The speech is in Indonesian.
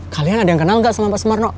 kalian ada yang kenal gak sama mbak sumarno